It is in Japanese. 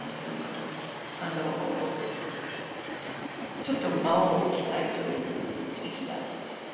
あのちょっと間を置きたいという時期があった。